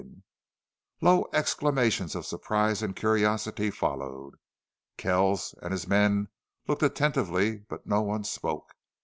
Low exclamations of surprise and curiosity followed. Kells and his men looked attentively, but no one spoke.